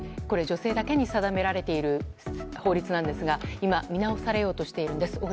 これ、女性だけに定められている法律なんですが、今見直されようとしているんです。